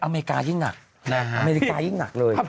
อเมริกายิ่งหนักอเมริกายิ่งหนักเลย